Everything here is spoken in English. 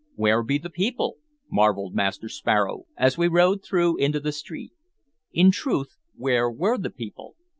"Where be the people?" marveled Master Sparrow, as we rode through into the street. In truth, where were the people?